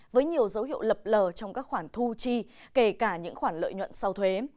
với nhiều dấu hiệu lập lờ trong các khoản thu chi kể cả những khoản lợi nhuận sau thuế